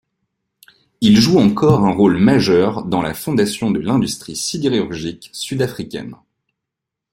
Il joue encore un rôle majeur dans la fondation de l'industrie sidérurgique sud-africaine.